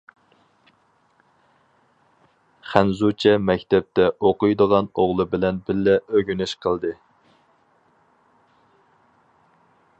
خەنزۇچە مەكتەپتە ئوقۇيدىغان ئوغلى بىلەن بىللە ئۆگىنىش قىلدى.